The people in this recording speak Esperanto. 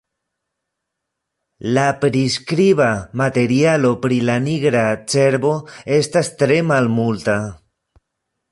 La priskriba materialo pri la nigra cervo estas tre malmulta.